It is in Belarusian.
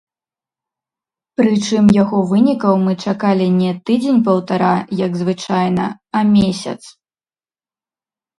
Прычым яго вынікаў мы чакалі не тыдзень-паўтара, як звычайна, а месяц.